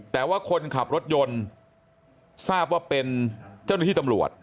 แต่ว่าคนขับรถยนต์ทราบว่าเป็นเจ้าหน้าที่ตำรวจ